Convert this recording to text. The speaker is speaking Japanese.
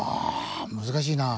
難しいな。